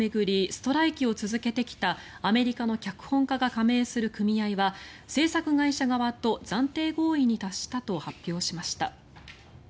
ストライキを続けてきたアメリカの脚本家が加盟する組合は制作会社側と暫定合意に達したと発表しました。